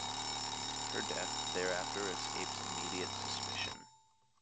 Her death thereafter escapes immediate suspicion.